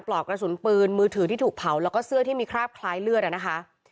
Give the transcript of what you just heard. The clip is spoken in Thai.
ปลอกกระสุนปืนมือถือที่ถูกเผาแล้วก็เสื้อที่มีคราบคล้ายเลือดนะคะ